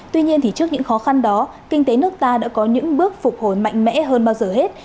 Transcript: tuy nhiên trước những khó khăn đó kinh tế nước ta đã có những bước phục hồi mạnh mẽ hơn bao giờ hết